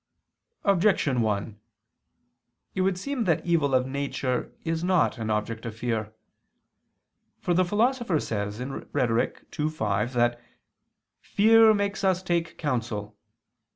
Objection 1: It would seem that evil of nature is not an object of fear. For the Philosopher says (Rhet. ii, 5) that "fear makes us take counsel."